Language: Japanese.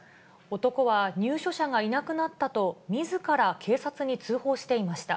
男は、入所者がいなくなったと、みずから警察に通報していました。